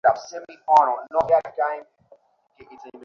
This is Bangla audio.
বই যদি পড়িস তো আনিয়ে দেব শহর থেকে।